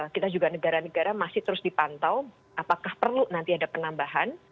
kita juga negara negara masih terus dipantau apakah perlu nanti ada penambahan